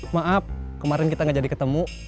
maaf kemarin kita gak jadi ketemu